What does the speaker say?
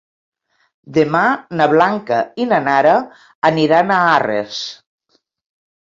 Demà na Blanca i na Nara aniran a Arres.